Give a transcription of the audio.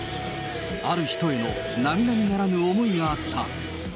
ある人へのなみなみならぬ思いがあった。